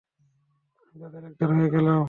আমি তাদের একজন হয়ে গেলাম।